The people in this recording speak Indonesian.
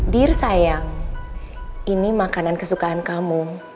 dear sayang ini makanan kesukaan kamu